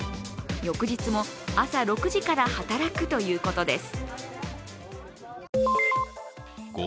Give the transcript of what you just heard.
翌日も朝６時から働くということです。